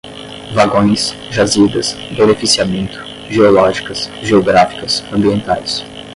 vagões, jazidas, beneficiamento, geológicas, geográficas, ambientais